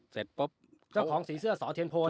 เสร็จก็จ้องของศรีเสื้อศรอเทียนโพครับ